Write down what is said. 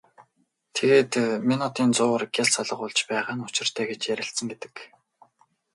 Тэгээд минутын зуур гялс алга болж байгаа нь учиртай гэж ярилцсан гэдэг.